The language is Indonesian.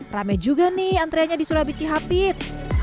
rame juga nih antreanya di surabici hapit